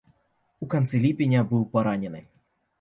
У канцы ліпеня быў паранены.